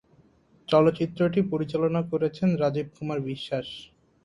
চলচ্চিত্রটি পরিচালনা করেছেন রাজীব কুমার বিশ্বাস।